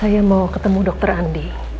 saya mau ketemu dokter andi